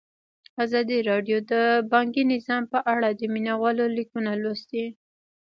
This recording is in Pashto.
ازادي راډیو د بانکي نظام په اړه د مینه والو لیکونه لوستي.